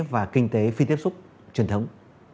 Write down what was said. và kinh tế phi tiếp xúc truyền thống